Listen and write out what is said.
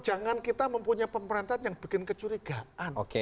jangan kita mempunyai pemerintahan yang bikin kecurigaan